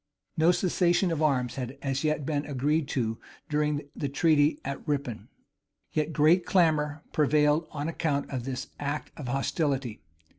No cessation of arms had as yet been agreed to during the treaty at Rippon; yet great clamor prevailed on account of this act of hostility.